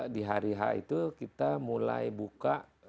pembangunan ph itu kita mulai buka